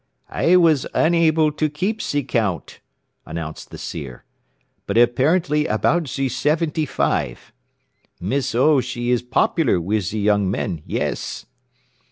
"I was unable to keep ze count," announced the seer, "but apparently about ze seventy five. Miss O. she is popular wiz ze young men, yes.